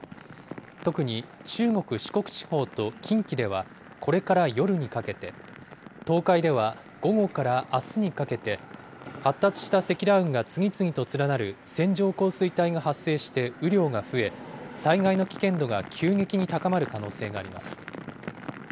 特に中国、四国地方と近畿ではこれから夜にかけて、東海では午後からあすにかけて、発達した積乱雲が次々と連なる線状降水帯が発生して雨量が増え、災害の危険度が急激に高まる可能性があります。